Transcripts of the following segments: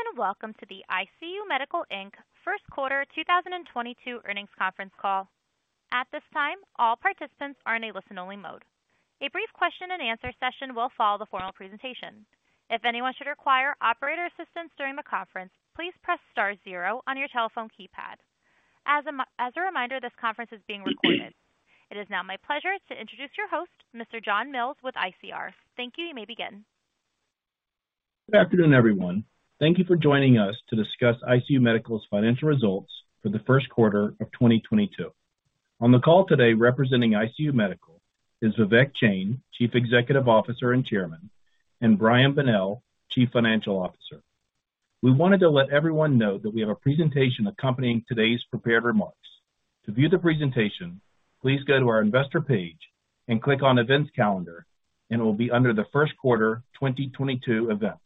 Greetings, and welcome to the ICU Medical, Inc. first quarter 2022 earnings conference call. At this time, all participants are in a listen-only mode. A brief question and answer session will follow the formal presentation. If anyone should require operator assistance during the conference, please press star zero on your telephone keypad. As a reminder, this conference is being recorded. It is now my pleasure to introduce your host, Mr. John Mills, with ICR. Thank you. You may begin. Good afternoon, everyone. Thank you for joining us to discuss ICU Medical's financial results for the first quarter of 2022. On the call today representing ICU Medical is Vivek Jain, Chief Executive Officer and Chairman, and Brian Bonnell, Chief Financial Officer. We wanted to let everyone know that we have a presentation accompanying today's prepared remarks. To view the presentation, please go to our investor page and click on Events Calendar, and it will be under the first quarter 2022 events.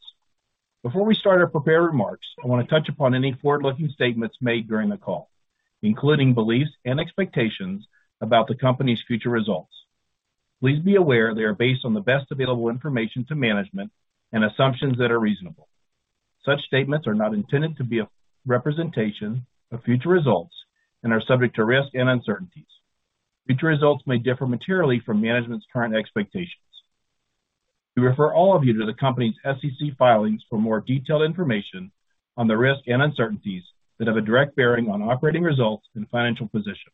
Before we start our prepared remarks, I wanna touch upon any forward-looking statements made during the call, including beliefs and expectations about the company's future results. Please be aware they are based on the best available information to management and assumptions that are reasonable. Such statements are not intended to be a representation of future results and are subject to risk and uncertainties. Future results may differ materially from management's current expectations. We refer all of you to the company's SEC filings for more detailed information on the risks and uncertainties that have a direct bearing on operating results and financial position.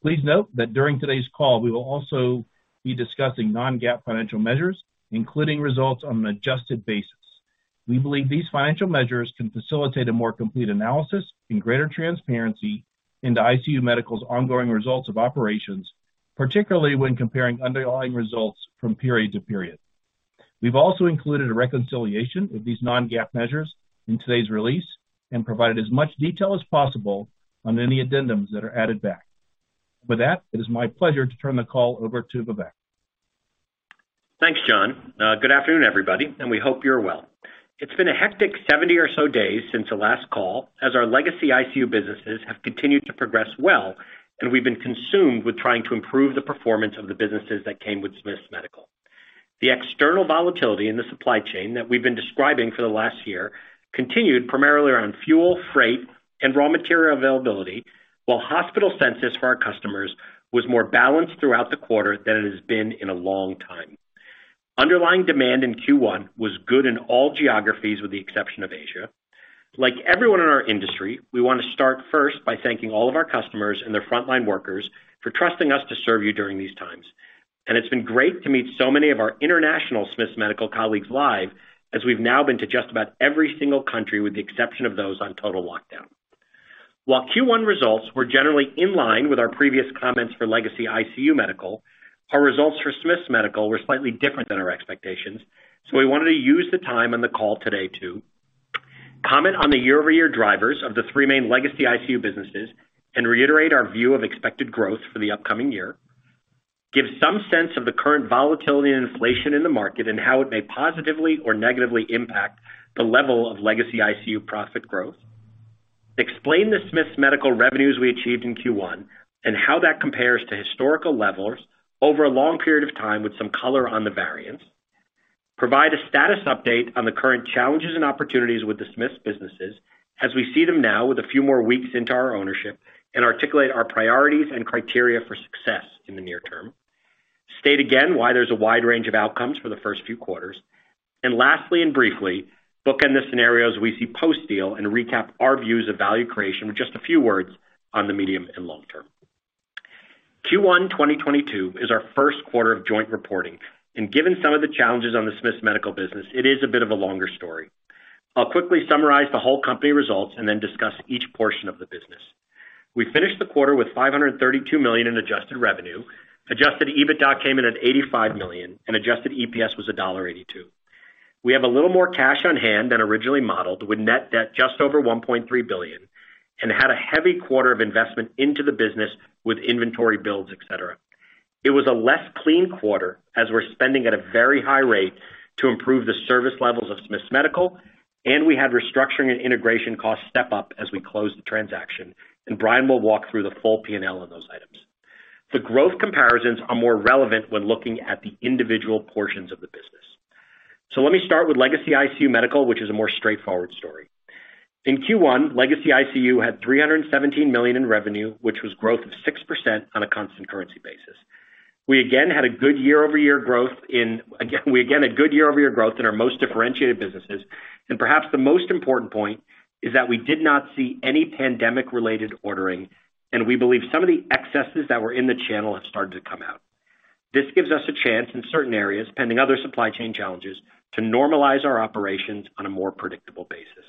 Please note that during today's call, we will also be discussing non-GAAP financial measures, including results on an adjusted basis. We believe these financial measures can facilitate a more complete analysis and greater transparency into ICU Medical's ongoing results of operations, particularly when comparing underlying results from period to period. We've also included a reconciliation of these non-GAAP measures in today's release and provided as much detail as possible on any addendums that are added back. With that, it is my pleasure to turn the call over to Vivek. Thanks, John. Good afternoon, everybody, and we hope you're well. It's been a hectic 70 or so days since the last call, as our legacy ICU businesses have continued to progress well, and we've been consumed with trying to improve the performance of the businesses that came with Smiths Medical. The external volatility in the supply chain that we've been describing for the last year continued primarily around fuel, freight, and raw material availability, while hospital census for our customers was more balanced throughout the quarter than it has been in a long time. Underlying demand in Q1 was good in all geographies with the exception of Asia. Like everyone in our industry, we wanna start first by thanking all of our customers and their frontline workers for trusting us to serve you during these times. It's been great to meet so many of our international Smiths Medical colleagues live as we've now been to just about every single country with the exception of those on total lockdown. While Q1 results were generally in line with our previous comments for legacy ICU Medical, our results for Smiths Medical were slightly different than our expectations, so we wanted to use the time on the call today to comment on the year-over-year drivers of the three main legacy ICU businesses and reiterate our view of expected growth for the upcoming year, give some sense of the current volatility and inflation in the market and how it may positively or negatively impact the level of legacy ICU profit growth. Explain the Smiths Medical revenues we achieved in Q1 and how that compares to historical levels over a long period of time with some color on the variance. Provide a status update on the current challenges and opportunities with the Smiths Medical businesses as we see them now with a few more weeks into our ownership and articulate our priorities and criteria for success in the near term. State again why there's a wide range of outcomes for the first few quarters. Lastly and briefly, bookend the scenarios we see post-deal and recap our views of value creation with just a few words on the medium and long term. Q1 2022 is our first quarter of joint reporting, and given some of the challenges on the Smiths Medical business, it is a bit of a longer story. I'll quickly summarize the whole company results and then discuss each portion of the business. We finished the quarter with $532 million in adjusted revenue. Adjusted EBITDA came in at $85 million, and adjusted EPS was $1.82. We have a little more cash on hand than originally modeled, with net debt just over $1.3 billion, and had a heavy quarter of investment into the business with inventory builds, et cetera. It was a less clean quarter as we're spending at a very high rate to improve the service levels of Smiths Medical, and we had restructuring and integration costs step up as we closed the transaction, and Brian will walk through the full P&L on those items. The growth comparisons are more relevant when looking at the individual portions of the business. Let me start with legacy ICU Medical, which is a more straightforward story. In Q1, legacy ICU had $317 million in revenue, which was growth of 6% on a constant currency basis. We again had good year-over-year growth in our most differentiated businesses, and perhaps the most important point is that we did not see any pandemic-related ordering, and we believe some of the excesses that were in the channel have started to come out. This gives us a chance in certain areas, pending other supply chain challenges, to normalize our operations on a more predictable basis.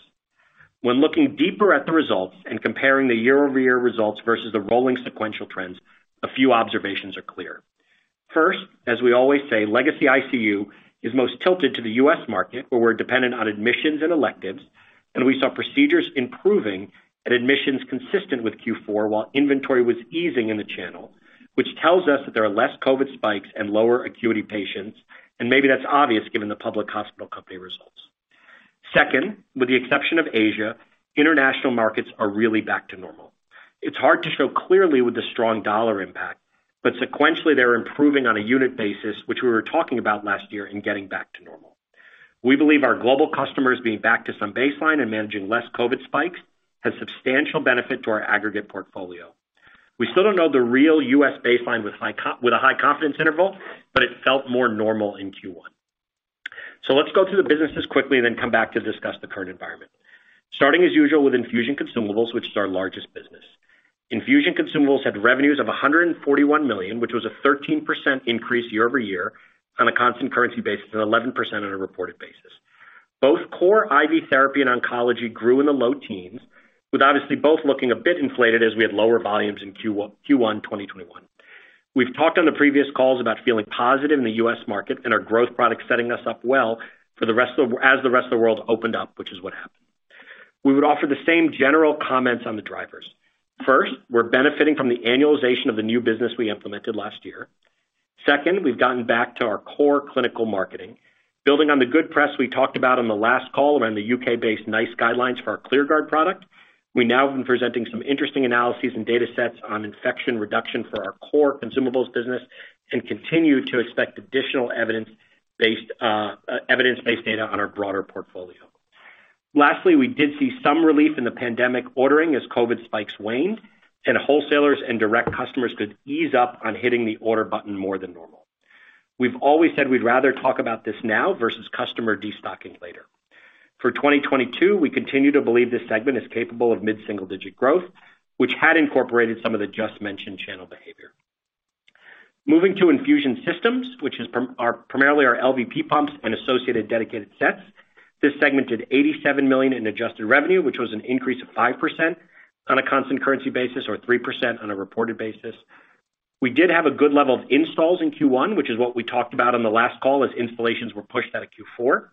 When looking deeper at the results and comparing the year-over-year results versus the rolling sequential trends, a few observations are clear. First, as we always say, legacy ICU is most tilted to the U.S. market, where we're dependent on admissions and electives, and we saw procedures improving and admissions consistent with Q4 while inventory was easing in the channel, which tells us that there are less COVID spikes and lower acuity patients, and maybe that's obvious given the public hospital company results. Second, with the exception of Asia, international markets are really back to normal. It's hard to show clearly with the strong dollar impact, but sequentially they're improving on a unit basis, which we were talking about last year in getting back to normal. We believe our global customers being back to some baseline and managing less COVID spikes has substantial benefit to our aggregate portfolio. We still don't know the real U.S. baseline with a high confidence interval, but it felt more normal in Q1. Let's go through the businesses quickly and then come back to discuss the current environment. Starting as usual with infusion consumables, which is our largest business. Infusion consumables had revenues of $141 million, which was a 13% increase year-over-year on a constant currency basis, and 11% on a reported basis. Both core IV therapy and oncology grew in the low teens, with obviously both looking a bit inflated as we had lower volumes in Q1 2021. We've talked on the previous calls about feeling positive in the U.S. market and our growth products setting us up well as the rest of the world opened up, which is what happened. We would offer the same general comments on the drivers. First, we're benefiting from the annualization of the new business we implemented last year. Second, we've gotten back to our core clinical marketing. Building on the good press we talked about on the last call around the U.K.-based NICE guidelines for our ClearGuard product, we now have been presenting some interesting analyses and datasets on infection reduction for our core consumables business, and continue to expect additional evidence-based data on our broader portfolio. Lastly, we did see some relief in the pandemic ordering as COVID spikes waned, and wholesalers and direct customers could ease up on hitting the order button more than normal. We've always said we'd rather talk about this now versus customer destocking later. For 2022, we continue to believe this segment is capable of mid-single digit growth, which had incorporated some of the just mentioned channel behavior. Moving to infusion systems, which are primarily our LVP pumps and associated dedicated sets. This segment did $87 million in adjusted revenue, which was an increase of 5% on a constant currency basis, or 3% on a reported basis. We did have a good level of installs in Q1, which is what we talked about on the last call as installations were pushed out of Q4.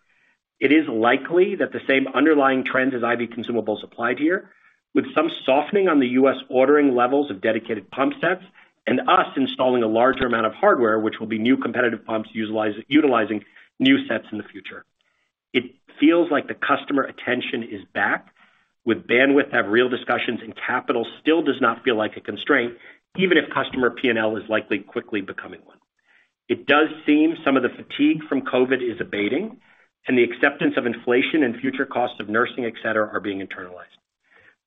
It is likely that the same underlying trends as IV consumables applied here, with some softening on the U.S. ordering levels of dedicated pump sets and us installing a larger amount of hardware, which will be new competitive pumps utilizing new sets in the future. It feels like the customer attention is back with bandwidth to have real discussions, and capital still does not feel like a constraint, even if customer P&L is likely quickly becoming one. It does seem some of the fatigue from COVID is abating and the acceptance of inflation and future costs of nursing, et cetera, are being internalized.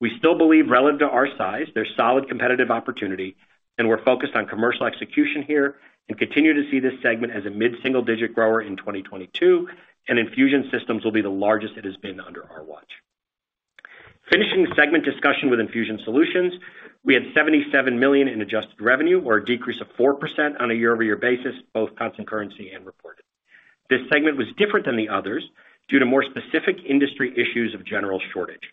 We still believe relative to our size, there's solid competitive opportunity, and we're focused on commercial execution here and continue to see this segment as a mid-single-digit grower in 2022, and infusion systems will be the largest it has been under our watch. Finishing the segment discussion with infusion solutions, we had $77 million in adjusted revenue or a decrease of 4% on a year-over-year basis, both constant currency and reported. This segment was different than the others due to more specific industry issues of general shortage.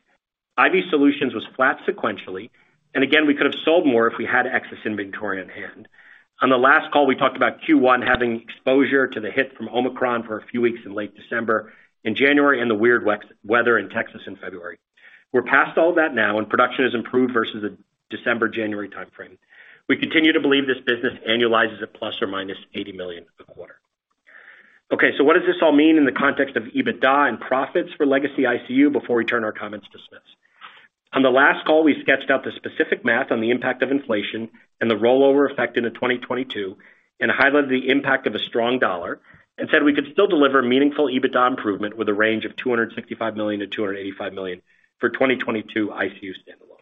IV solutions was flat sequentially, and again, we could have sold more if we had excess inventory on hand. On the last call, we talked about Q1 having exposure to the hit from Omicron for a few weeks in late December and January and the weird weather in Texas in February. We're past all that now and production has improved versus the December-January timeframe. We continue to believe this business annualizes at ±$80 million a quarter. Okay, what does this all mean in the context of EBITDA and profits for Legacy ICU before we turn our comments to Smiths? On the last call, we sketched out the specific math on the impact of inflation and the rollover effect into 2022 and highlighted the impact of a strong dollar and said we could still deliver meaningful EBITDA improvement with a range of $265 million-$285 million for 2022 ICU standalone.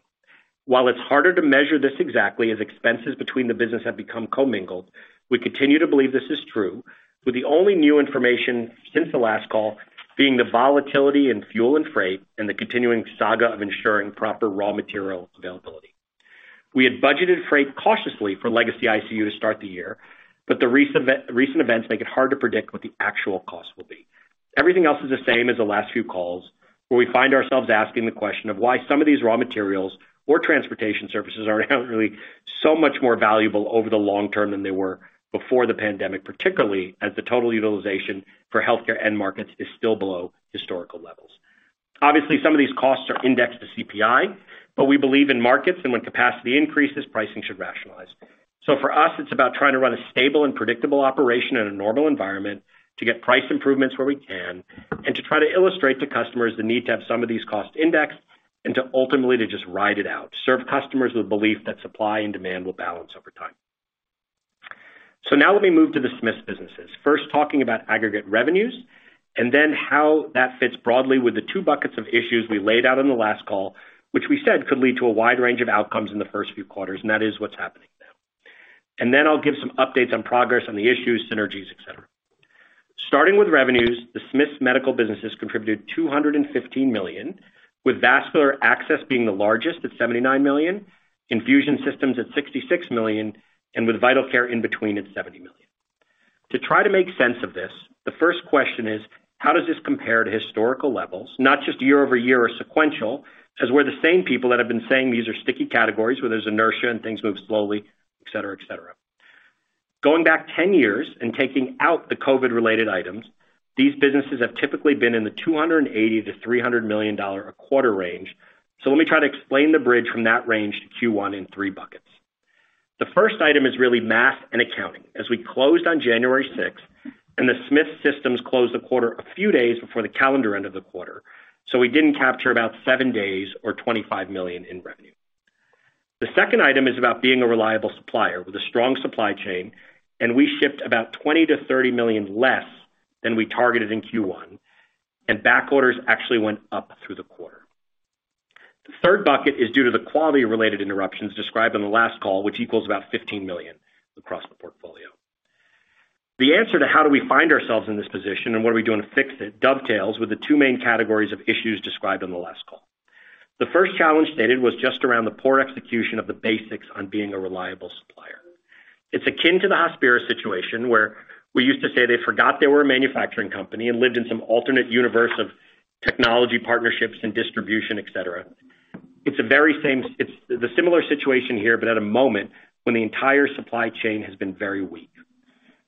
While it's harder to measure this exactly as expenses between the business have become commingled, we continue to believe this is true, with the only new information since the last call being the volatility in fuel and freight and the continuing saga of ensuring proper raw material availability. We had budgeted freight cautiously for Legacy ICU to start the year, but the recent events make it hard to predict what the actual cost will be. Everything else is the same as the last few calls, where we find ourselves asking the question of why some of these raw materials or transportation services are now really so much more valuable over the long term than they were before the pandemic, particularly as the total utilization for healthcare end markets is still below historical levels. Obviously, some of these costs are indexed to CPI, but we believe in markets and when capacity increases, pricing should rationalize. For us, it's about trying to run a stable and predictable operation in a normal environment to get price improvements where we can and to try to illustrate to customers the need to have some of these costs indexed and to ultimately to just ride it out, serve customers with belief that supply and demand will balance over time. Now let me move to the Smiths businesses. First talking about aggregate revenues and then how that fits broadly with the two buckets of issues we laid out on the last call, which we said could lead to a wide range of outcomes in the first few quarters, and that is what's happening now. Then I'll give some updates on progress on the issues, synergies, et cetera. Starting with revenues, the Smiths Medical businesses contributed $215 million, with vascular access being the largest at $79 million, infusion systems at $66 million, and with vital care in between at $70 million. To try to make sense of this, the first question is, how does this compare to historical levels, not just year-over-year or sequential, as we're the same people that have been saying these are sticky categories where there's inertia and things move slowly, et cetera, et cetera. Going back 10 years and taking out the COVID-related items, these businesses have typically been in the $280 million-$300 million a quarter range. Let me try to explain the bridge from that range to Q1 in three buckets. The first item is really math and accounting, as we closed on January 6, and the Smiths closed the quarter a few days before the calendar end of the quarter, so we didn't capture about seven days or $25 million in revenue. The second item is about being a reliable supplier with a strong supply chain, and we shipped about $20 million-$30 million less than we targeted in Q1, and back orders actually went up through the quarter. The third bucket is due to the quality-related interruptions described in the last call, which equals about $15 million across the portfolio. The answer to how do we find ourselves in this position and what are we doing to fix it dovetails with the two main categories of issues described on the last call. The first challenge stated was just around the poor execution of the basics on being a reliable supplier. It's akin to the Hospira situation, where we used to say they forgot they were a manufacturing company and lived in some alternate universe of technology, partnerships and distribution, et cetera. It's the similar situation here, but at a moment when the entire supply chain has been very weak.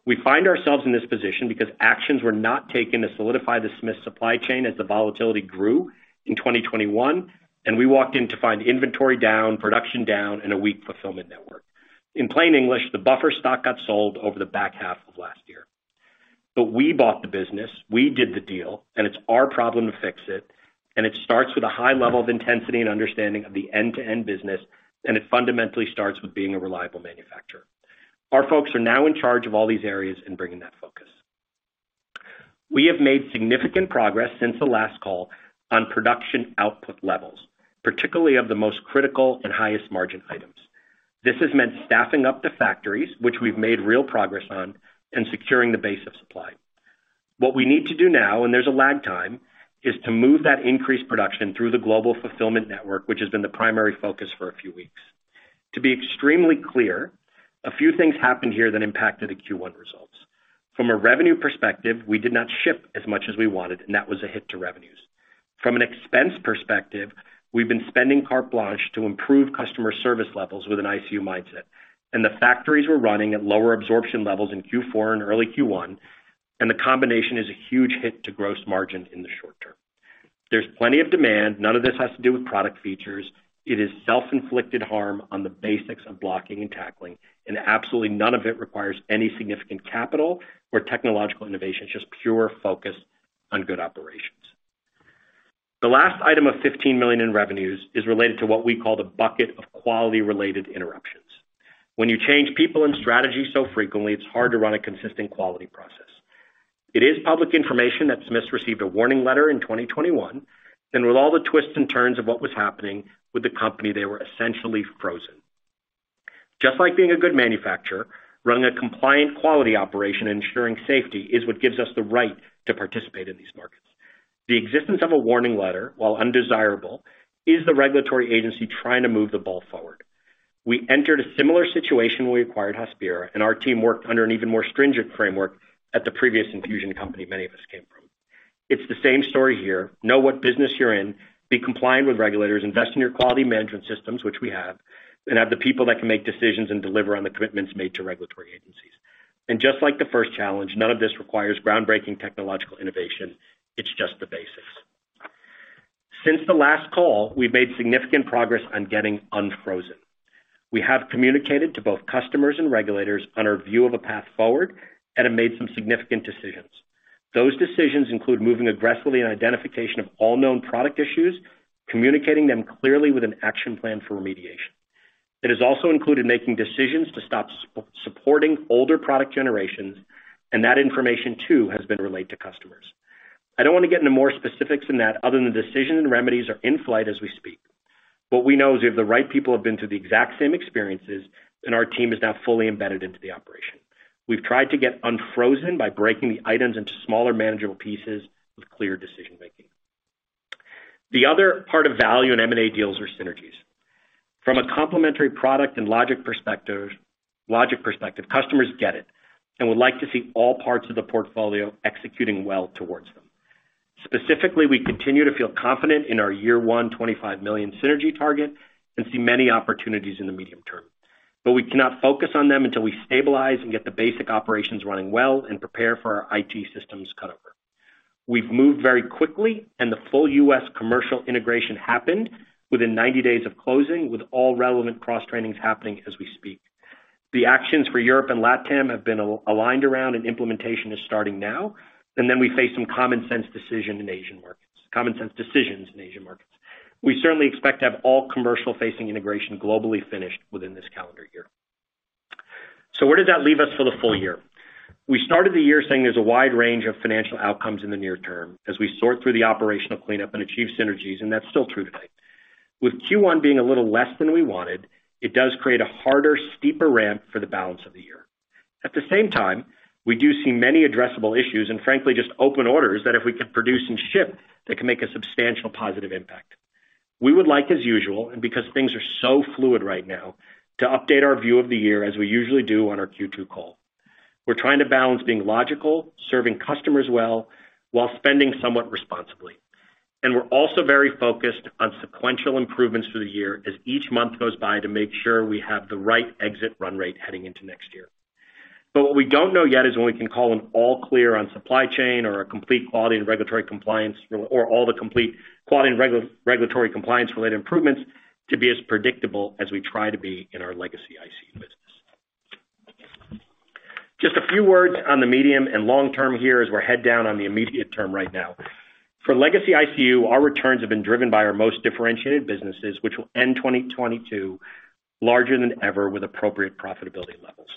We find ourselves in this position because actions were not taken to solidify the Smiths supply chain as the volatility grew in 2021, and we walked in to find inventory down, production down, and a weak fulfillment network. In plain English, the buffer stock got sold over the back half of last year. We bought the business, we did the deal, and it's our problem to fix it. It starts with a high level of intensity and understanding of the end-to-end business, and it fundamentally starts with being a reliable manufacturer. Our folks are now in charge of all these areas and bringing that focus. We have made significant progress since the last call on production output levels, particularly of the most critical and highest margin items. This has meant staffing up the factories, which we've made real progress on, and securing the base of supply. What we need to do now, and there's a lag time, is to move that increased production through the global fulfillment network, which has been the primary focus for a few weeks. To be extremely clear, a few things happened here that impacted the Q1 results. From a revenue perspective, we did not ship as much as we wanted, and that was a hit to revenues. From an expense perspective, we've been spending carte blanche to improve customer service levels with an ICU mindset, and the factories were running at lower absorption levels in Q4 and early Q1, and the combination is a huge hit to gross margin in the short term. There's plenty of demand. None of this has to do with product features. It is self-inflicted harm on the basics of blocking and tackling, and absolutely none of it requires any significant capital or technological innovation. It's just pure focus on good operations. The last item of $15 million in revenues is related to what we call the bucket of quality-related interruptions. When you change people and strategy so frequently, it's hard to run a consistent quality process. It is public information that Smiths Medical received a warning letter in 2021. With all the twists and turns of what was happening with the company, they were essentially frozen. Just like being a good manufacturer, running a compliant quality operation, ensuring safety is what gives us the right to participate in these markets. The existence of a warning letter, while undesirable, is the regulatory agency trying to move the ball forward. We entered a similar situation when we acquired Hospira, and our team worked under an even more stringent framework at the previous infusion company many of us came from. It's the same story here. Know what business you're in, be compliant with regulators, invest in your quality management systems, which we have, and have the people that can make decisions and deliver on the commitments made to regulatory agencies. Just like the first challenge, none of this requires groundbreaking technological innovation. It's just the basics. Since the last call, we've made significant progress on getting unfrozen. We have communicated to both customers and regulators on our view of a path forward and have made some significant decisions. Those decisions include moving aggressively on identification of all known product issues, communicating them clearly with an action plan for remediation. It has also included making decisions to stop supporting older product generations, and that information, too, has been relayed to customers. I don't want to get into more specifics than that other than the decision and remedies are in flight as we speak. What we know is we have the right people who have been through the exact same experiences, and our team is now fully embedded into the operation. We've tried to get unfrozen by breaking the items into smaller manageable pieces with clear decision-making. The other part of value in M&A deals are synergies. From a complementary product and logic perspective, customers get it and would like to see all parts of the portfolio executing well towards them. Specifically, we continue to feel confident in our year one $25 million synergy target and see many opportunities in the medium term. We cannot focus on them until we stabilize and get the basic operations running well and prepare for our IT systems cut over. We've moved very quickly, and the full U.S. commercial integration happened within 90 days of closing, with all relevant cross-trainings happening as we speak. The actions for Europe and LatAm have been aligned around, and implementation is starting now. Then we face some common sense decisions in Asian markets. We certainly expect to have all commercial-facing integration globally finished within this calendar year. Where does that leave us for the full year? We started the year saying there's a wide range of financial outcomes in the near term as we sort through the operational cleanup and achieve synergies, and that's still true today. With Q1 being a little less than we wanted, it does create a harder, steeper ramp for the balance of the year. At the same time, we do see many addressable issues and frankly, just open orders that if we can produce and ship, that can make a substantial positive impact. We would like as usual, and because things are so fluid right now, to update our view of the year as we usually do on our Q2 call. We're trying to balance being logical, serving customers well, while spending somewhat responsibly. We're also very focused on sequential improvements through the year as each month goes by to make sure we have the right exit run rate heading into next year. What we don't know yet is when we can call an all clear on supply chain or a complete quality and regulatory compliance, or all the complete quality and regulatory compliance related improvements to be as predictable as we try to be in our legacy ICU business. Just a few words on the medium and long term here as we're heads down on the immediate term right now. For legacy ICU, our returns have been driven by our most differentiated businesses, which will end 2022 larger than ever with appropriate profitability levels.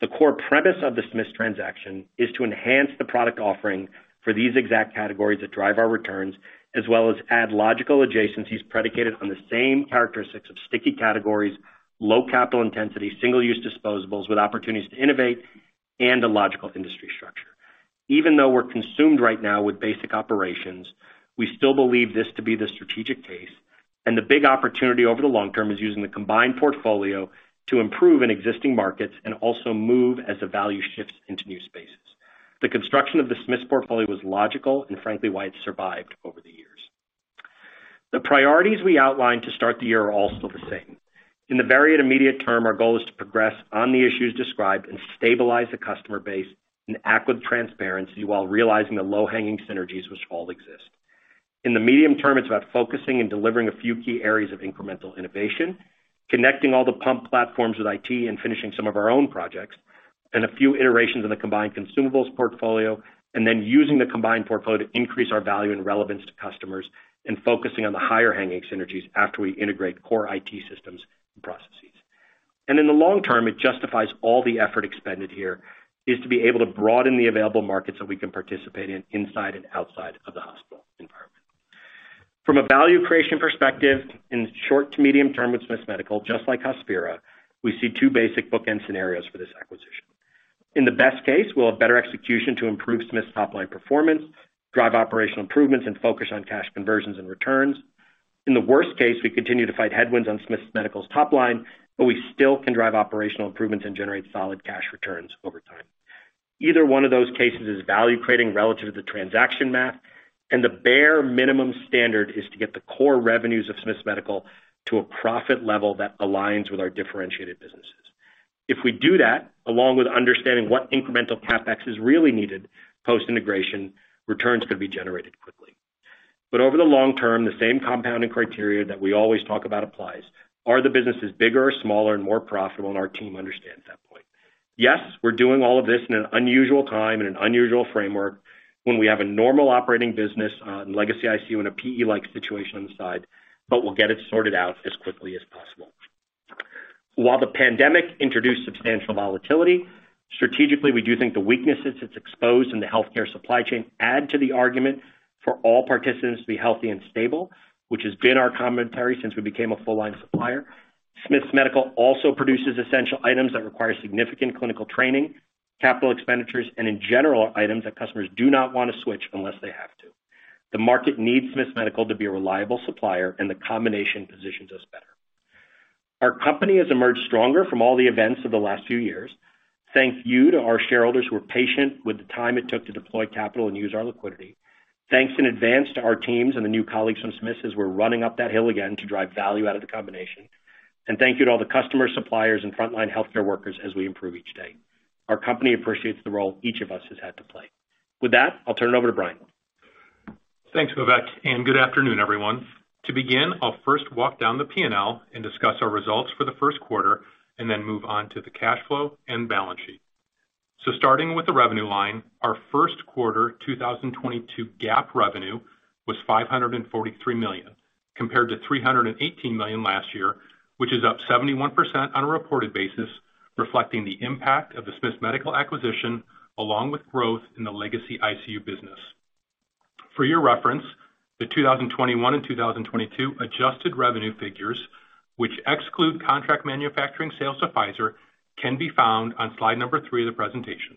The core premise of the Smiths transaction is to enhance the product offering for these exact categories that drive our returns, as well as add logical adjacencies predicated on the same characteristics of sticky categories, low capital intensity, single-use disposables with opportunities to innovate and a logical industry structure. Even though we're consumed right now with basic operations, we still believe this to be the strategic case, and the big opportunity over the long term is using the combined portfolio to improve in existing markets and also move as the value shifts into new spaces. The construction of the Smiths portfolio was logical and frankly why it survived over the years. The priorities we outlined to start the year are all still the same. In the very immediate term, our goal is to progress on the issues described and stabilize the customer base and act with transparency while realizing the low-hanging synergies which all exist. In the medium term, it's about focusing and delivering a few key areas of incremental innovation, connecting all the pump platforms with IT and finishing some of our own projects, and a few iterations in the combined consumables portfolio, and then using the combined portfolio to increase our value and relevance to customers and focusing on the higher hanging synergies after we integrate core IT systems and processes. In the long term, it justifies all the effort expended here is to be able to broaden the available markets that we can participate in inside and outside of the hospital environment. From a value creation perspective, in the short to medium term with Smiths Medical, just like Hospira, we see two basic bookend scenarios for this acquisition. In the best case, we'll have better execution to improve Smiths top line performance, drive operational improvements, and focus on cash conversions and returns. In the worst case, we continue to fight headwinds on Smiths Medical's top line, but we still can drive operational improvements and generate solid cash returns over time. Either one of those cases is value-creating relative to the transaction math, and the bare minimum standard is to get the core revenues of Smiths Medical to a profit level that aligns with our differentiated businesses. If we do that, along with understanding what incremental CapEx is really needed post-integration, returns could be generated quickly. Over the long term, the same compounding criteria that we always talk about applies. Are the businesses bigger or smaller and more profitable? Our team understands that point. Yes, we're doing all of this in an unusual time and an unusual framework when we have a normal operating business on legacy ICU and a PE-like situation on the side, but we'll get it sorted out as quickly as possible. While the pandemic introduced substantial volatility, strategically, we do think the weaknesses it's exposed in the healthcare supply chain add to the argument for all participants to be healthy and stable, which has been our commentary since we became a full line supplier. Smiths Medical also produces essential items that require significant clinical training, capital expenditures, and in general, items that customers do not want to switch unless they have to. The market needs Smiths Medical to be a reliable supplier, and the combination positions us better. Our company has emerged stronger from all the events of the last few years. Thank you to our shareholders who are patient with the time it took to deploy capital and use our liquidity. Thanks in advance to our teams and the new colleagues from Smiths as we're running up that hill again to drive value out of the combination. Thank you to all the customers, suppliers, and frontline healthcare workers as we improve each day. Our company appreciates the role each of us has had to play. With that, I'll turn it over to Brian. Thanks, Vivek, and good afternoon, everyone. To begin, I'll first walk down the P&L and discuss our results for the first quarter and then move on to the cash flow and balance sheet. Starting with the revenue line, our first quarter 2022 GAAP revenue was $543 million, compared to $318 million last year, which is up 71% on a reported basis, reflecting the impact of the Smiths Medical acquisition, along with growth in the legacy ICU business. For your reference, the 2021 and 2022 adjusted revenue figures, which exclude contract manufacturing sales to Pfizer, can be found on slide three of the presentation.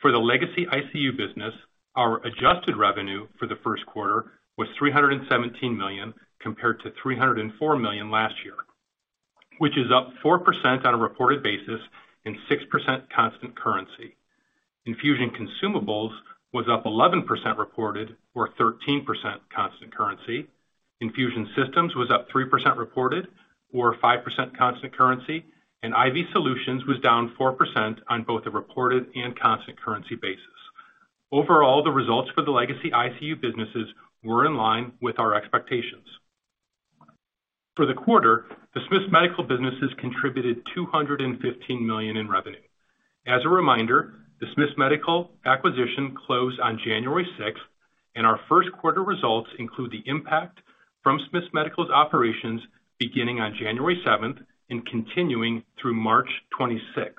For the legacy ICU business, our adjusted revenue for the first quarter was $317 million compared to $304 million last year, which is up 4% on a reported basis and 6% constant currency. Infusion consumables was up 11% reported or 13% constant currency. Infusion systems was up 3% reported or 5% constant currency, and IV solutions was down 4% on both a reported and constant currency basis. Overall, the results for the legacy ICU businesses were in line with our expectations. For the quarter, the Smiths Medical businesses contributed $215 million in revenue. As a reminder, the Smiths Medical acquisition closed on January 6th, and our first quarter results include the impact from Smiths Medical's operations beginning on January 7th and continuing through March 26th.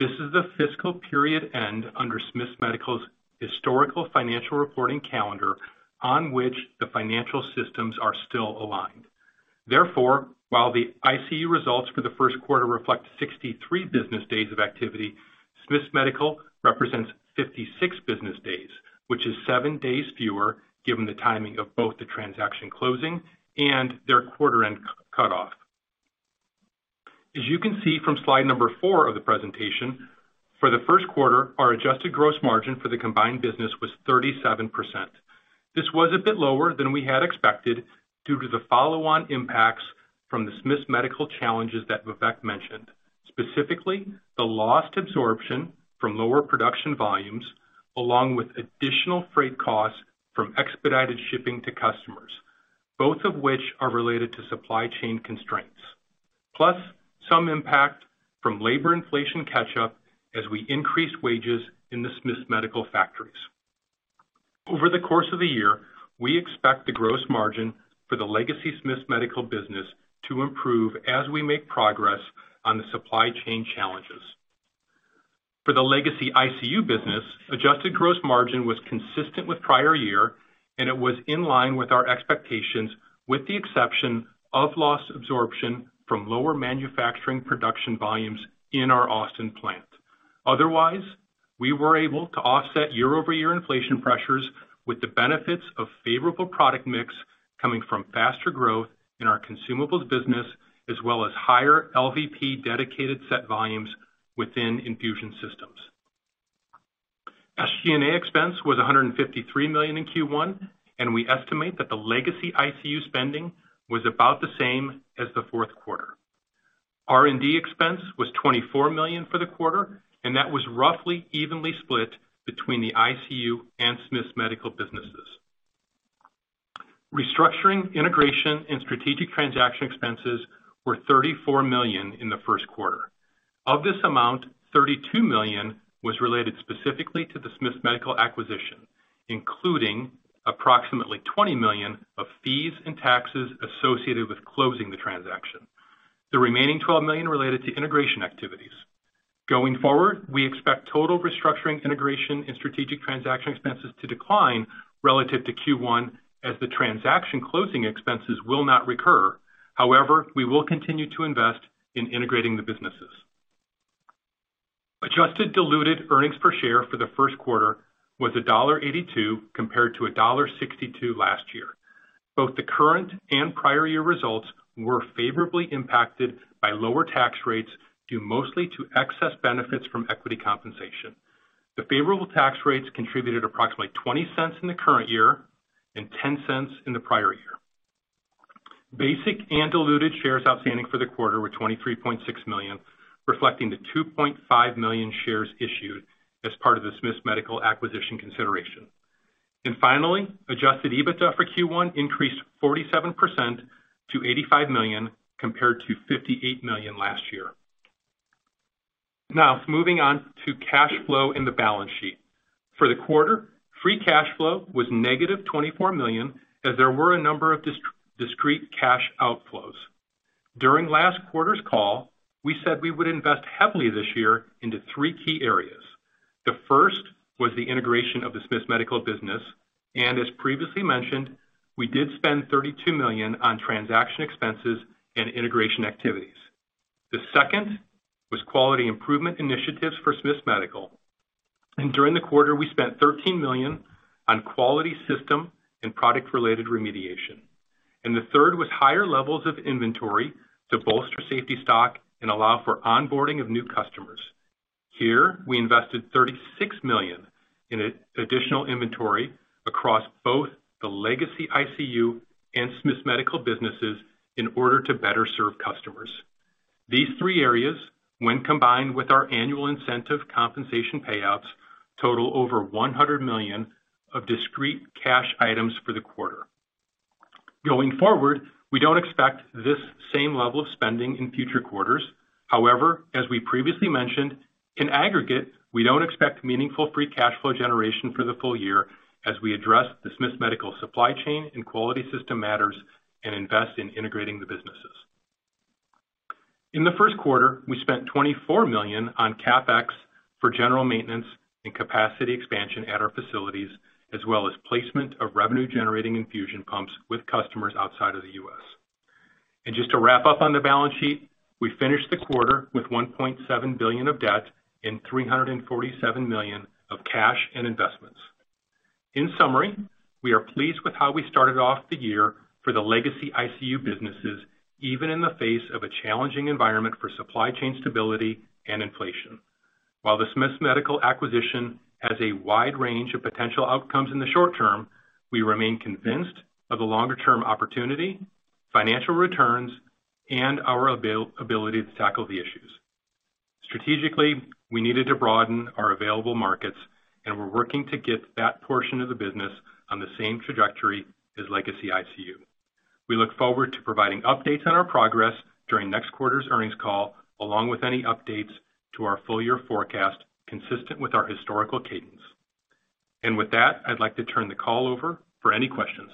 This is the fiscal period end under Smiths Medical's historical financial reporting calendar on which the financial systems are still aligned. Therefore, while the ICU results for the first quarter reflect 63 business days of activity, Smiths Medical represents 56 business days, which is seven days fewer given the timing of both the transaction closing and their quarter-end cutoff. As you can see from slide number four of the presentation, for the first quarter, our adjusted gross margin for the combined business was 37%. This was a bit lower than we had expected due to the follow-on impacts from the Smiths Medical challenges that Vivek mentioned, specifically the lost absorption from lower production volumes, along with additional freight costs from expedited shipping to customers, both of which are related to supply chain constraints. Some impact from labor inflation catch-up as we increase wages in the Smiths Medical factories. Over the course of the year, we expect the gross margin for the legacy Smiths Medical business to improve as we make progress on the supply chain challenges. For the legacy ICU business, adjusted gross margin was consistent with prior year, and it was in line with our expectations, with the exception of loss absorption from lower manufacturing production volumes in our Austin plant. Otherwise, we were able to offset year-over-year inflation pressures with the benefits of favorable product mix coming from faster growth in our consumables business, as well as higher LVP dedicated set volumes within infusion systems. SG&A expense was $153 million in Q1, and we estimate that the legacy ICU spending was about the same as the fourth quarter. R&D expense was $24 million for the quarter, and that was roughly evenly split between the ICU and Smiths Medical businesses. Restructuring, integration, and strategic transaction expenses were $34 million in the first quarter. Of this amount, $32 million was related specifically to the Smiths Medical acquisition, including approximately $20 million of fees and taxes associated with closing the transaction. The remaining $12 million related to integration activities. Going forward, we expect total restructuring, integration, and strategic transaction expenses to decline relative to Q1 as the transaction closing expenses will not recur. However, we will continue to invest in integrating the businesses. Adjusted diluted earnings per share for the first quarter was $1.82 compared to $1.62 last year. Both the current and prior year results were favorably impacted by lower tax rates, due mostly to excess benefits from equity compensation. The favorable tax rates contributed approximately $0.20 in the current year and $0.10 in the prior year. Basic and diluted shares outstanding for the quarter were 23.6 million, reflecting the 2.5 million shares issued as part of the Smiths Medical acquisition consideration. Finally, adjusted EBITDA for Q1 increased 47% to $85 million compared to $58 million last year. Now, moving on to cash flow in the balance sheet. For the quarter, free cash flow was -$24 million, as there were a number of discrete cash outflows. During last quarter's call, we said we would invest heavily this year into three key areas. The first was the integration of the Smiths Medical business, and as previously mentioned, we did spend $32 million on transaction expenses and integration activities. The second was quality improvement initiatives for Smiths Medical, and during the quarter, we spent $13 million on quality system and product-related remediation. The third was higher levels of inventory to bolster safety stock and allow for onboarding of new customers. Here, we invested $36 million in additional inventory across both the legacy ICU and Smiths Medical businesses in order to better serve customers. These three areas, when combined with our annual incentive compensation payouts, total over $100 million of discrete cash items for the quarter. Going forward, we don't expect this same level of spending in future quarters. However, as we previously mentioned, in aggregate, we don't expect meaningful free cash flow generation for the full year as we address the Smiths Medical supply chain and quality system matters and invest in integrating the businesses. In the first quarter, we spent $24 million on CapEx for general maintenance and capacity expansion at our facilities, as well as placement of revenue-generating infusion pumps with customers outside of the U.S. Just to wrap up on the balance sheet, we finished the quarter with $1.7 billion of debt and $347 million of cash and investments. In summary, we are pleased with how we started off the year for the legacy ICU businesses, even in the face of a challenging environment for supply chain stability and inflation. While the Smiths Medical acquisition has a wide range of potential outcomes in the short term, we remain convinced of the longer term opportunity, financial returns, and our ability to tackle the issues. Strategically, we needed to broaden our available markets, and we're working to get that portion of the business on the same trajectory as legacy ICU. We look forward to providing updates on our progress during next quarter's earnings call, along with any updates to our full-year forecast consistent with our historical cadence. With that, I'd like to turn the call over for any questions.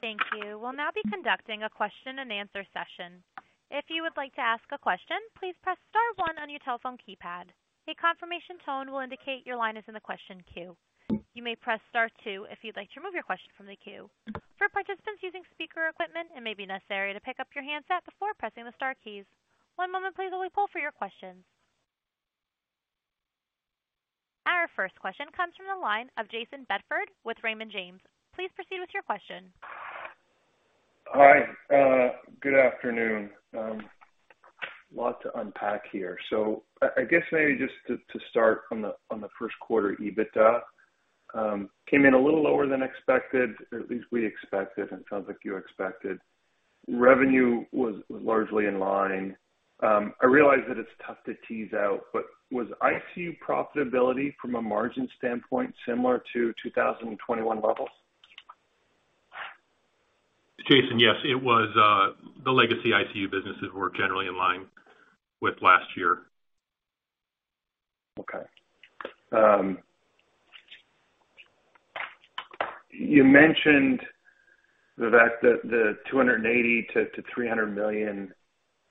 Thank you. We'll now be conducting a question and answer session. If you would like to ask a question, please press star one on your telephone keypad. A confirmation tone will indicate your line is in the question queue. You may press star two if you'd like to remove your question from the queue. For participants using speaker equipment, it may be necessary to pick up your handset before pressing the star keys. One moment please, while we pull for your questions. Our first question comes from the line of Jayson Bedford with Raymond James. Please proceed with your question. Hi, good afternoon. A lot to unpack here. I guess maybe just to start on the first quarter EBITDA came in a little lower than expected, or at least we expected, and it sounds like you expected. Revenue was largely in line. I realize that it's tough to tease out, but was ICU profitability from a margin standpoint similar to 2021 levels? Jayson, yes, it was, the legacy ICU businesses were generally in line with last year. Okay. You mentioned the fact that the $280 million-$300 million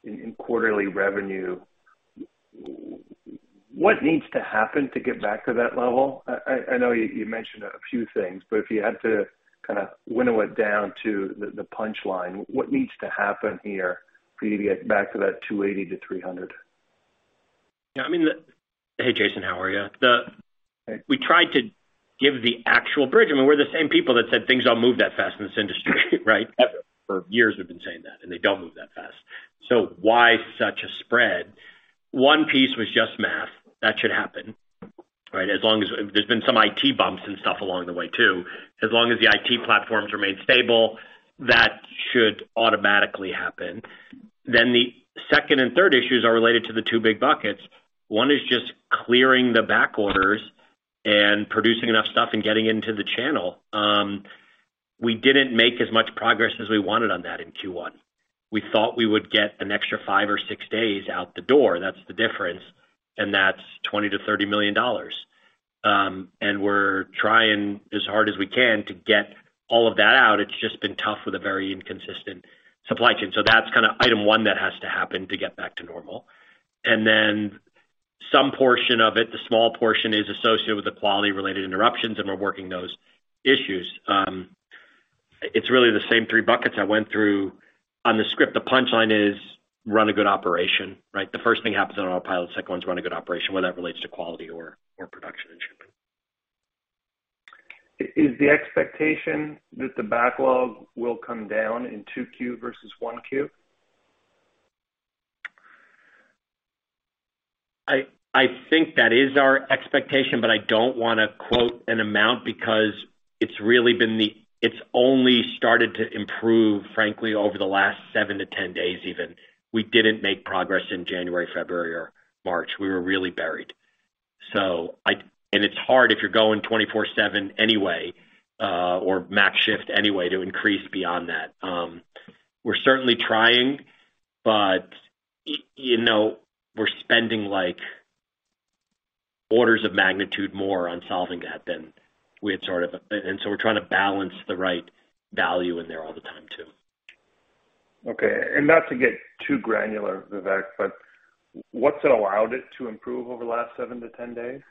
in quarterly revenue. What needs to happen to get back to that level? I know you mentioned a few things, but if you had to kinda winnow it down to the punch line, what needs to happen here for you to get back to that $280 million-$300 million? Yeah, I mean. Hey, Jayson, how are you? Hey. We tried to give the actual bridge. I mean, we're the same people that said things don't move that fast in this industry, right? Yeah. For years we've been saying that, and they don't move that fast. Why such a spread? One piece was just math. That should happen, right? There's been some IT bumps and stuff along the way, too. As long as the IT platforms remain stable, that should automatically happen. The second and third issues are related to the two big buckets. One is just clearing the back orders and producing enough stuff and getting into the channel. We didn't make as much progress as we wanted on that in Q1. We thought we would get an extra five or six days out the door. That's the difference, and that's $20 million-$30 million. We're trying as hard as we can to get all of that out. It's just been tough with a very inconsistent supply chain. That's kinda item one that has to happen to get back to normal. Some portion of it, the small portion, is associated with the quality-related interruptions, and we're working those issues. It's really the same three buckets I went through on the script. The punchline is run a good operation, right? The first thing happens on autopilot. Second one is run a good operation, whether that relates to quality or production and shipping. Is the expectation that the backlog will come down in 2Q versus 1Q? I think that is our expectation, but I don't wanna quote an amount because it's really been. It's only started to improve, frankly, over the last seven to 10 days even. We didn't make progress in January, February, or March. We were really buried. It's hard if you're going 24/7 anyway, or max shift anyway to increase beyond that. We're certainly trying, but you know, we're spending like orders of magnitude more on solving that than we had, and so we're trying to balance the right value in there all the time too. Okay. Not to get too granular, Vivek, but what's allowed it to improve over the last seven to 10 days?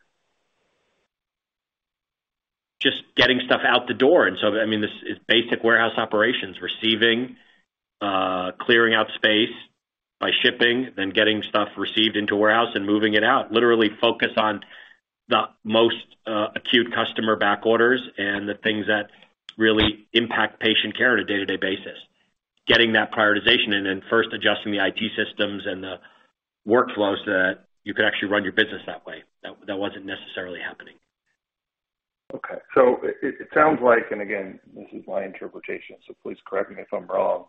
Just getting stuff out the door. I mean, this is basic warehouse operations. Receiving, clearing out space by shipping, then getting stuff received into warehouse and moving it out. Literally focus on the most acute customer back orders and the things that really impact patient care on a day-to-day basis. Getting that prioritization and then first adjusting the IT systems and the workflows so that you could actually run your business that way. That wasn't necessarily happening. Okay. It sounds like, and again, this is my interpretation, so please correct me if I'm wrong.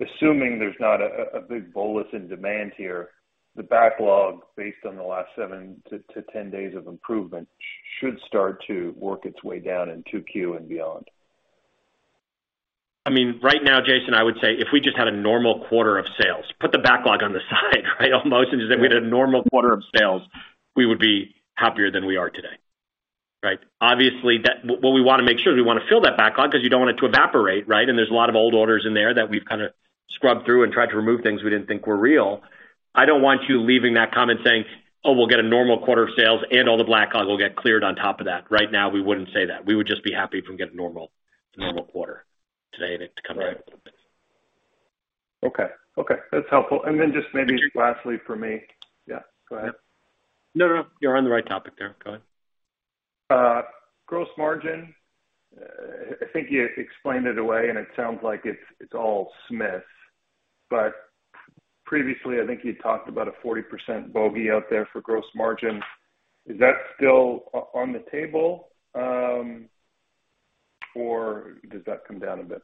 Assuming there's not a big bolus in demand here, the backlog based on the last seven to 10 days of improvement should start to work its way down in 2Q and beyond. I mean, right now, Jayson, I would say if we just had a normal quarter of sales, put the backlog on the side, right? Almost as if we had a normal quarter of sales, we would be happier than we are today, right? Obviously, that. What we wanna make sure is we wanna fill that backlog 'cause you don't want it to evaporate, right? There's a lot of old orders in there that we've kinda scrubbed through and tried to remove things we didn't think were real. I don't want you leaving that comment saying, "Oh, we'll get a normal quarter of sales and all the backlog will get cleared on top of that." Right now, we wouldn't say that. We would just be happy if we get a normal quarter today that'll come back a little bit. Right. Okay. That's helpful. Just maybe lastly for me. Yeah, go ahead. No, no, you're on the right topic there. Go ahead. Gross margin. I think you explained it away, and it sounds like it's all Smiths. Previously, I think you talked about a 40% bogey out there for gross margin. Is that still on the table, or does that come down a bit?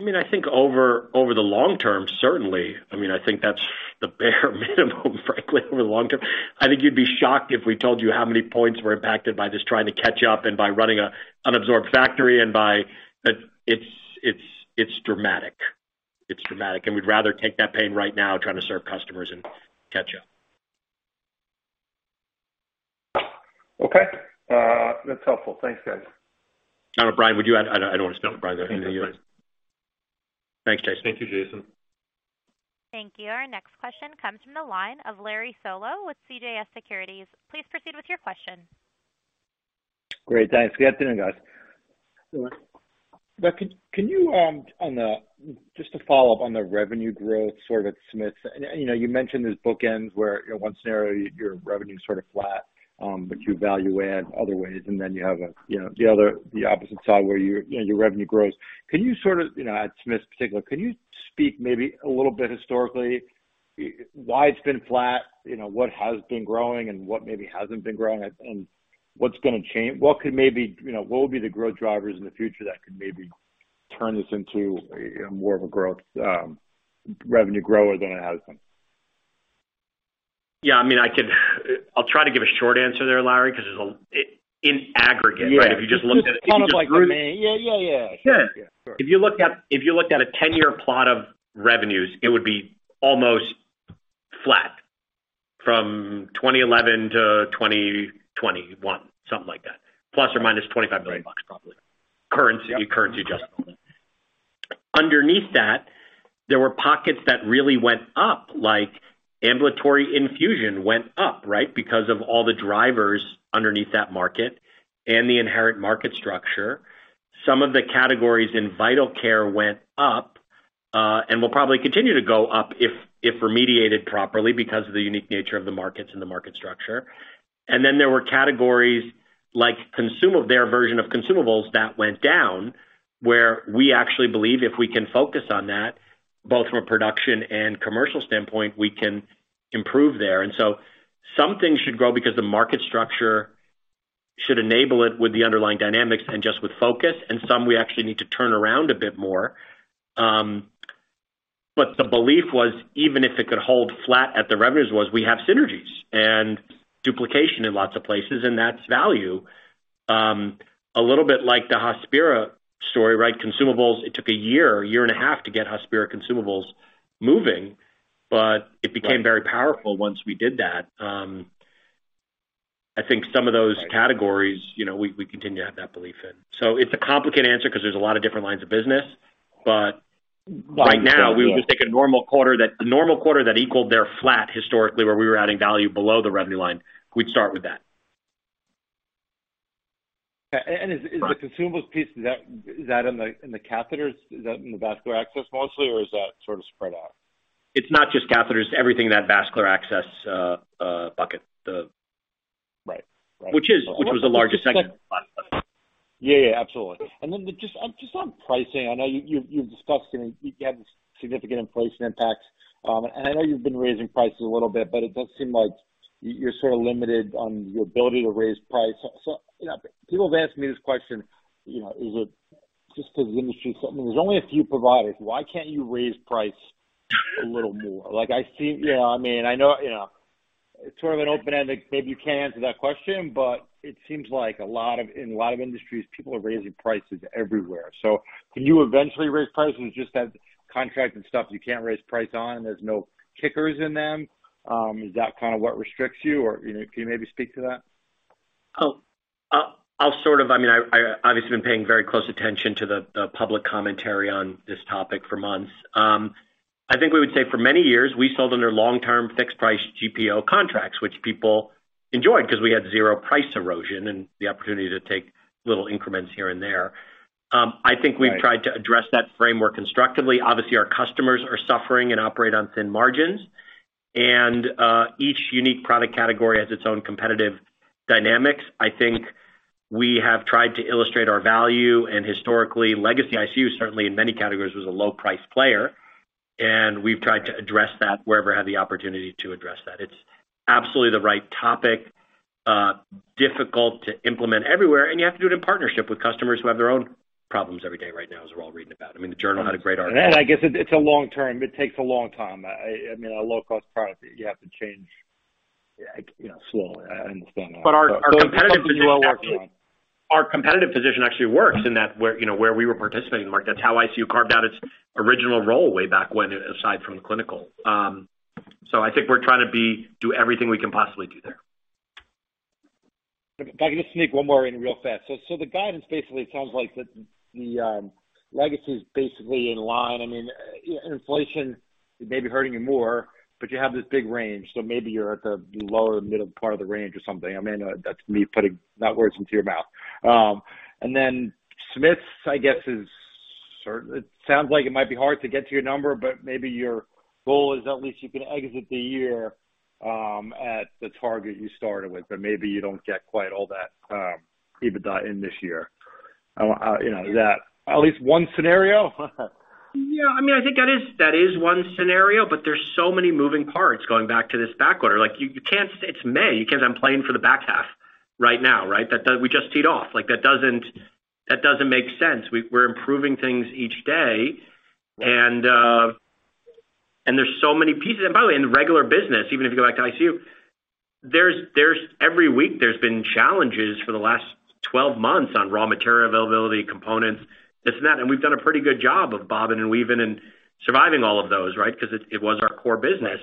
I mean, I think over the long term, certainly. I mean, I think that's the bare minimum, frankly, over the long term. I think you'd be shocked if we told you how many points were impacted by just trying to catch up and by running a unabsorbed factory. It's dramatic. We'd rather take that pain right now trying to serve customers and catch up. Okay. That's helpful. Thanks, guys. I don't know, Brian, would you add. I don't wanna step on Brian there. No, you're fine. Thanks, Jayson. Thank you, Jayson. Thank you. Our next question comes from the line of Larry Solow with CJS Securities. Please proceed with your question. Great, thanks. Good afternoon, guys. Good afternoon. Can you just to follow up on the revenue growth sort of at Smiths. You know, you mentioned these bookends where, you know, one scenario your revenue's sort of flat, but you value add other ways, and then you have the other, the opposite side where your revenue grows. Can you sort of, you know, at Smiths in particular, speak maybe a little bit historically why it's been flat, you know, what has been growing and what maybe hasn't been growing and what's gonna change, what could maybe, you know, what will be the growth drivers in the future that could maybe turn this into more of a growth revenue grower than it has been? Yeah. I mean, I could. I'll try to give a short answer there, Larry, 'cause there's a in aggregate. Right If you just looked at. Just kind of like the main. Yeah, yeah. Sure. Yeah. Sure. If you looked at a 10-year plot of revenues, it would be almost flat from 2011-2021, something like that, ±$25 million, probably. Currency adjusted. Underneath that, there were pockets that really went up, like ambulatory infusion went up, right? Because of all the drivers underneath that market and the inherent market structure. Some of the categories in vital care went up, and will probably continue to go up if remediated properly because of the unique nature of the markets and the market structure. There were categories like their version of consumables that went down, where we actually believe if we can focus on that, both from a production and commercial standpoint, we can improve there. Some things should grow because the market structure should enable it with the underlying dynamics and just with focus, and some we actually need to turn around a bit more. The belief was, even if it could hold flat at the revenues, we have synergies and duplication in lots of places, and that's value. A little bit like the Hospira story, right? Consumables, it took a year, a year and a half to get Hospira consumables moving, but it became very powerful once we did that. I think some of those categories, you know, we continue to have that belief in. It's a complicated answer 'cause there's a lot of different lines of business, but right now we would just take the normal quarter that equaled their flat historically, where we were adding value below the revenue line. We'd start with that. Is the consumables piece in the catheters? Is that in the vascular access mostly, or is that sort of spread out? It's not just catheters, everything in that vascular access bucket. Right. Right. Which was the largest segment. Yeah. Yeah. Absolutely. Just on pricing, I know you've discussed, you know, you have this significant inflation impact. I know you've been raising prices a little bit, but it does seem like you're sort of limited on your ability to raise price. You know, people have asked me this question, you know, is it just 'cause the industry, I mean, there's only a few providers, why can't you raise price a little more? Like, I see. You know what I mean? I know, you know, it's sort of an open-ended, maybe you can't answer that question, but it seems like in a lot of industries, people are raising prices everywhere. Can you eventually raise prices and just have contracts and stuff you can't raise price on? There's no kickers in them. Is that kind of what restricts you? Or, you know, can you maybe speak to that? I'll sort of—I mean, I've obviously been paying very close attention to the public commentary on this topic for months. I think we would say for many years, we sold under long-term fixed price GPO contracts, which people enjoyed 'cause we had zero price erosion and the opportunity to take little increments here and there. I think we've tried to address that framework constructively. Obviously, our customers are suffering and operate on thin margins. Each unique product category has its own competitive dynamics. I think we have tried to illustrate our value, and historically, Legacy ICU, certainly in many categories, was a low price player, and we've tried to address that wherever had the opportunity to address that. It's absolutely the right topic, difficult to implement everywhere, and you have to do it in partnership with customers who have their own problems every day right now, as we're all reading about. I mean, the journal had a great article. I guess it's a long term. It takes a long time. I mean, a low-cost product, you have to change, you know, slowly. I understand that. Our competitive position actually works in that where, you know, where we were participating in the market. That's how ICU carved out its original role way back when, aside from clinical. I think we're trying to do everything we can possibly do there. If I can just sneak one more in real fast. The guidance basically sounds like that the Legacy is basically in line. I mean, inflation may be hurting you more, but you have this big range, so maybe you're at the lower middle part of the range or something. I mean, that's me putting those words into your mouth. Then Smiths, I guess, is sort of it sounds like it might be hard to get to your number, but maybe your goal is at least you can exit the year at the target you started with, but maybe you don't get quite all that EBITDA in this year. You know, is that at least one scenario? Yeah. I mean, I think that is one scenario, but there's so many moving parts going back to this back order. Like, you can't say it's May. You can't say I'm playing for the back half right now, right? We just teed off. Like, that doesn't make sense. We're improving things each day. And there's so many pieces. By the way, in the regular business, even if you go back to ICU, there's every week, there's been challenges for the last 12 months on raw material availability, components, this and that. We've done a pretty good job of bobbing and weaving and surviving all of those, right? 'Cause it was our core business.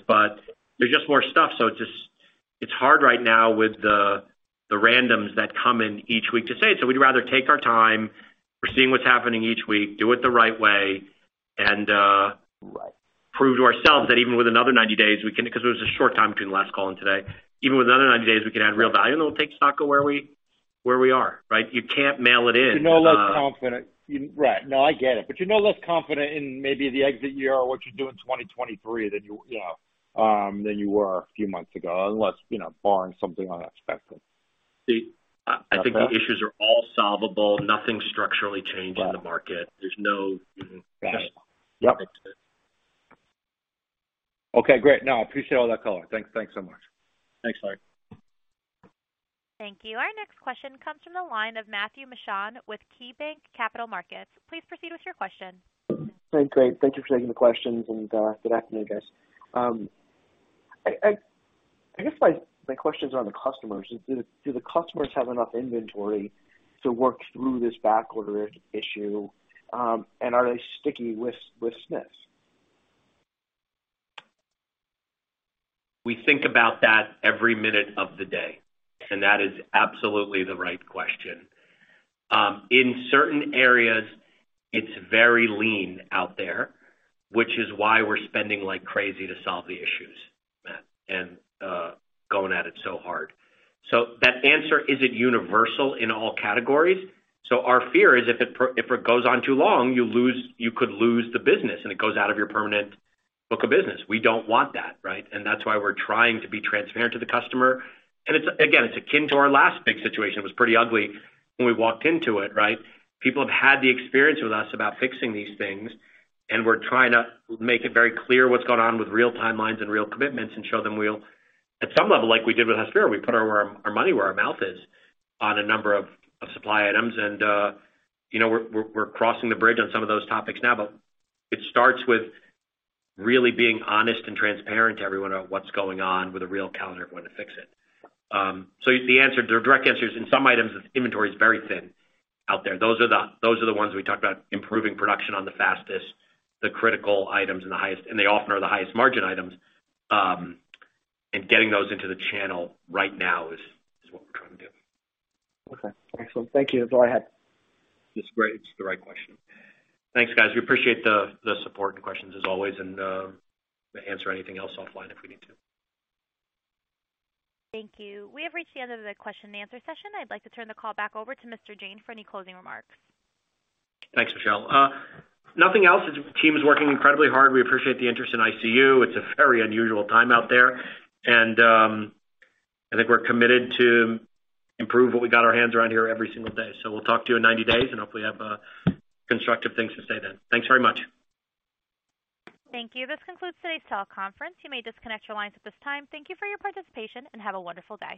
There's just more stuff, so it just. It's hard right now with the randoms that come in each week to say it. We'd rather take our time. We're seeing what's happening each week, do it the right way, and. Right Prove to ourselves that even with another 90 days, we can. 'Cause it was a short time between the last call and today. Even with another 90 days, we can add real value, and then we'll take stock of where we are, right? You can't mail it in. You're no less confident. Right. No, I get it. You're no less confident in maybe the exit year or what you do in 2023 than you know, than you were a few months ago, unless, you know, barring something unexpected. I think the issues are all solvable. Nothing structurally changing the market. There's no, you know, Okay, great. No, I appreciate all that color. Thanks. Thanks so much. Thanks, Mark. Thank you. Our next question comes from the line of Matthew Mishan with KeyBanc Capital Markets. Please proceed with your question. Great. Thank you for taking the questions, and good afternoon, guys. I guess my questions are on the customers. Do the customers have enough inventory to work through this backorder issue, and are they sticky with Smiths? We think about that every minute of the day, and that is absolutely the right question. In certain areas, it's very lean out there, which is why we're spending like crazy to solve the issues, Matt, and going at it so hard. That answer isn't universal in all categories. Our fear is if it goes on too long, you could lose the business, and it goes out of your permanent book of business. We don't want that, right? That's why we're trying to be transparent to the customer. It's, again, it's akin to our last big situation. It was pretty ugly when we walked into it, right? People have had the experience with us about fixing these things, and we're trying to make it very clear what's going on with real timelines and real commitments and show them we'll, at some level, like we did with Hospira, we put our money where our mouth is on a number of supply items. You know, we're crossing the bridge on some of those topics now, but it starts with really being honest and transparent to everyone about what's going on with a real calendar of when to fix it. The answer, the direct answer is, in some items, inventory is very thin out there. Those are the ones we talked about improving production on the fastest, the critical items and the highest, and they often are the highest margin items. Getting those into the channel right now is what we're trying to do. Okay. Excellent. Thank you. Go ahead. It's great. It's the right question. Thanks, guys. We appreciate the support and questions as always and, we'll answer anything else offline if we need to. Thank you. We have reached the end of the question and answer session. I'd like to turn the call back over to Mr. Jain for any closing remarks. Thanks, Michelle. Nothing else. The team is working incredibly hard. We appreciate the interest in ICU. It's a very unusual time out there. I think we're committed to improve what we got our hands around here every single day. We'll talk to you in 90 days, and hopefully have constructive things to say then. Thanks very much. Thank you. This concludes today's teleconference. You may disconnect your lines at this time. Thank you for your participation, and have a wonderful day.